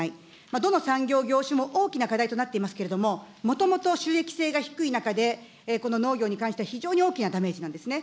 どの産業業種も大きな課題となっていますけれども、もともと収益性が低い中で、この農業に関しては、非常に大きなダメージなんですね。